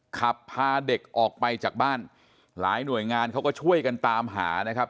ขับพาเด็กออกไปจากบ้านหลายหน่วยงานเขาก็ช่วยกันตามหานะครับ